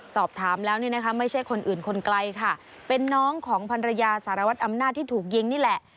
สอบถามแล้วเนี่ยนะคะไม่ใช่คนอื่นคนไกลค่ะเป็นน้องของพันรยาสารวัตรอำนาจที่ถูกยิงนี่แหละ